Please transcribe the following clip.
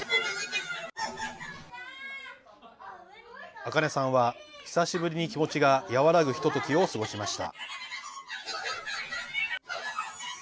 あかねさんは久しぶりに気持ちが和らぐひとときを過ごしました。